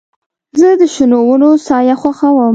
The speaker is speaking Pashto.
زه د شنو ونو سایه خوښوم.